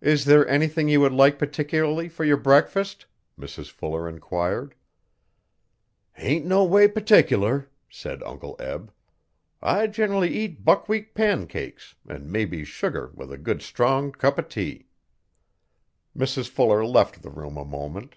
'Is there anything you would like particularly for your breakfast? Mrs Fuller enquired. 'Hain't no way pertic'lar,' said Uncle Eb. 'I gen rally eat buckwheat pancakes an' maple sugar with a good strong cup o'tea. Mrs Fuller left the room a moment.